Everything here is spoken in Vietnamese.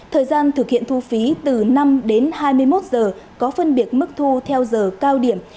thời gian thực hiện thu phí từ năm đến hai mươi một giờ có phân biệt mức thu theo giờ cao điểm